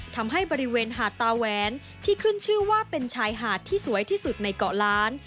ทำให้บริเวณหาดตาแหวนที่ขึ้นชื่อว่าเป็นชายหาดที่สวยที่สุดในเกาะล้าน